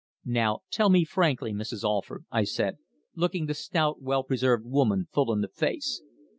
"Now tell me frankly, Mrs. Alford," I said, looking the stout, well preserved woman full in the face.